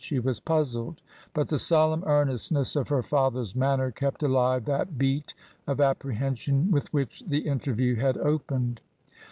She was puzzled. But the solemn earnestness of her father's manner kept alive that beat of apprehension with which the interview had opened.